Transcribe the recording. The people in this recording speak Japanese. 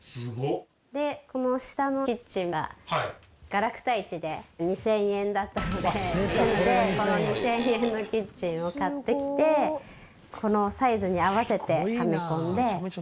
でこの下のキッチンがガラクタ市で２０００円だったのでなのでこの２０００円のキッチンを買ってきてこのサイズに合わせてはめ込んで。